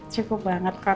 cukup banget kok